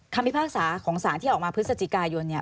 พิพากษาของสารที่ออกมาพฤศจิกายนเนี่ย